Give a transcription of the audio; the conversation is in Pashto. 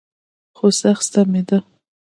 خو سخت ستمېده.